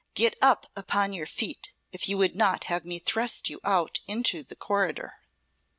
Get up upon your feet if you would not have me thrust you out into the corridor."